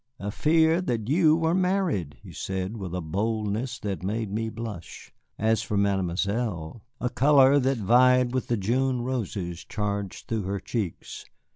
"A fear that you were married," he said, with a boldness that made me blush. As for Mademoiselle, a color that vied with the June roses charged through her cheeks.